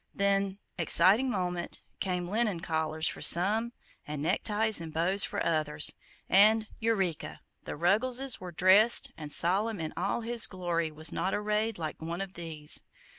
Then exciting moment came linen collars for some and neckties and bows for others, and Eureka! the Ruggleses were dressed, and Solomon in all his glory was not arrayed like one of these!